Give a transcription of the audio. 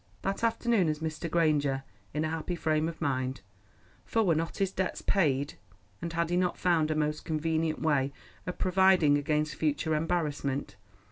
That afternoon as Mr. Granger, in a happy frame of mind—for were not his debts paid, and had he not found a most convenient way of providing against future embarrassment?